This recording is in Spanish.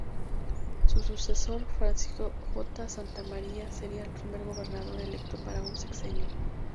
Su sucesor, Francisco J. Santamaría, sería el primer Gobernador electo para un sexenio.